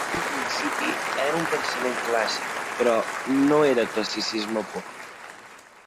En principi, era un pensament clàssic però no era classicisme pur.